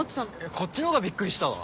こっちの方がびっくりしたわ！